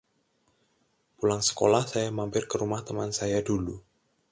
Pulang sekolah saya mampir ke rumah teman saya dulu.